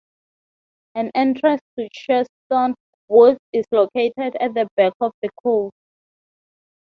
An entrance to Churston Woods is located at the back of the cove.